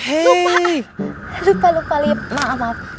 eh lupa lupa lupa maaf